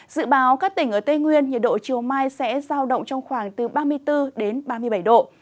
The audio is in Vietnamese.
dự báo các tỉnh ở tây nguyên nhiệt độ chiều mai sẽ giao động trong khoảng từ ba mươi bốn đến ba mươi bảy độ